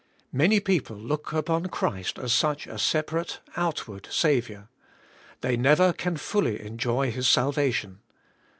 Many people look upon Christ as such a separate, outward Saviour. They never can fully enjoy His salvation.